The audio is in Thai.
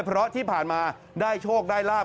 เพราะที่ผ่านมาได้โชคได้ลาบ